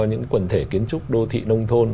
những quần thể kiến trúc đô thị nông thôn